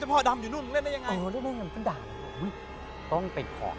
พี่ยังไม่ได้เลิกแต่พี่ยังไม่ได้เลิก